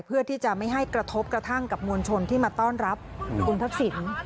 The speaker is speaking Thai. เพื่อที่จะไม่ให้กระทบกระทั่งกับมวลชนที่มาต้อนรับคุณทักษิณ